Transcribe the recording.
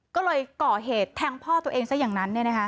ก็เลยก่อเหตุแทงพ่อตัวเองซะอย่างนั้น